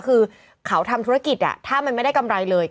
คือเขาทำธุรกิจถ้ามันไม่ได้กำไรเลย